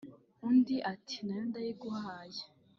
" Undi ati "Na yo ndayiguhaye